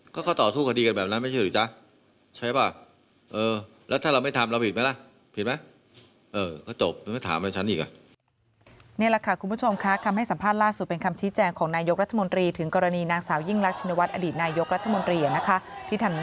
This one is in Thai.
ก็ต่อสู้คดีกันแบบนั้นไม่ใช่หรือจ๊ะใช่ป่ะ